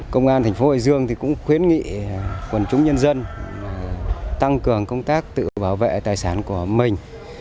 công an thành phố hải dương cũng khuyến nghị quần chúng nhân dân tăng cường công tác tự bảo vệ tài sản của mình